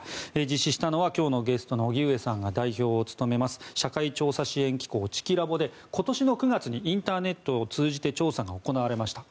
実施したのは今日のゲストの荻上さんが代表を務めます社会調査支援機構チキラボで今年の９月にインターネットを通じて調査が行われました。